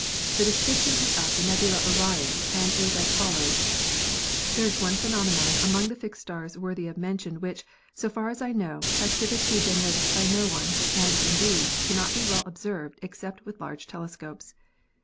The description is of the nebula Orion and is as follows: "There is one phenomenon among the fixed stars worthy of mention which, so far as I know, has hitherto been noticed by no one, and, indeed, cannot be well observed except with large telescopes.